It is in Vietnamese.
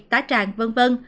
tá tràn v v